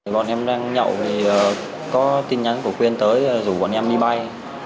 bọn em đang nhậu thì có tin nhắn của khuyên tới rủ bọn em đi bay